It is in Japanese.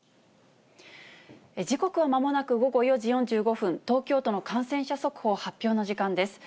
時刻はまもなく午後４時４５分、東京都の感染者速報発表の時間です。